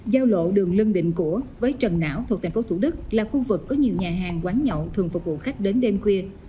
giao lộ đường lâm định của với trần não thuộc tp thủ đức là khu vực có nhiều nhà hàng quán nhậu thường phục vụ khách đến đêm khuya